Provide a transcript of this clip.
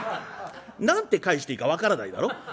何て返していいか分からないだろ？